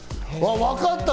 わかった。